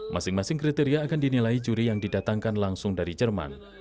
masing masing kriteria akan dinilai juri yang didatangkan langsung dari jerman